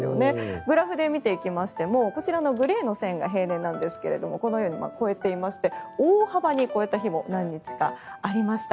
グラフで見ていきましてもこちらのグレーの線が平年ですがこのように超えていまして大幅に超えた日も何日かありました。